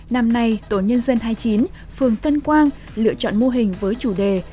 năm nay tổ nhân dân hai mươi chín phường tân quang lựa chọn mô hình với chủ đề